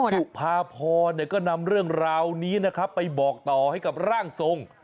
เพราะว่าคุณสุภาพรก็นำเรื่องราวนี้ไปบอกต่อให้กับร่างทรง